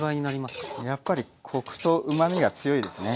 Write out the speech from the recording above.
やっぱりコクとうまみが強いですね。